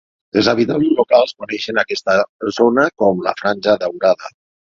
Els habitants locals coneixen aquesta zona com la "Franja daurada".